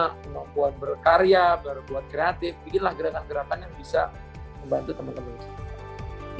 kemampuan berkarya berbuat kreatif bikinlah gerakan gerakan yang bisa membantu teman teman